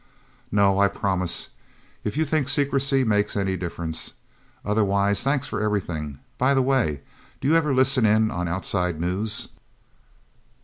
"No I promise if you think secrecy makes any difference. Otherwise thanks for everything... By the way do you ever listen in on outside news?"